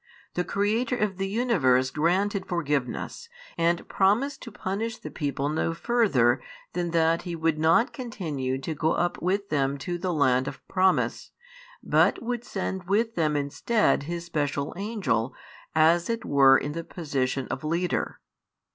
The Creator of the universe granted forgiveness, and promised to punish the people no further than that He would not continue to go up with them to the land of promise, but would send with them instead His special Angel as it were in the position of leader.